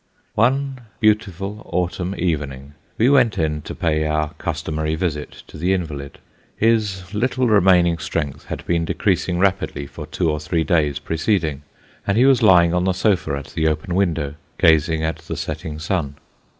One beautiful autumn evening we went to pay our customary visit to the invalid. His little remaining strength had been decreasing rapidly for two or three days preceding, and he was lying on the sofa at the open window, gazing at the setting sun.